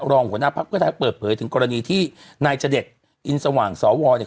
รองหัวหน้าภักดิ์ก็จะเปิดเผยถึงกรณีที่นายเจด็จอินสว่างสอวอเนี่ย